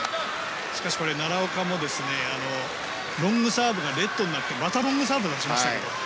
しかし奈良岡もロングサーブがレットになってまたロングサーブを出しましたが。